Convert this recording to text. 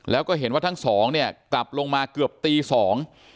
แล้วก็เห็นว่าทั้งสองเนี่ยกลับลงมาเกือบตีสอง